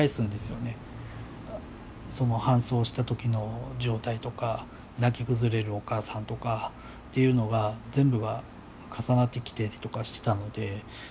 その搬送した時の状態とか泣き崩れるお母さんとかっていうのが全部が重なってきたりとかしてたので。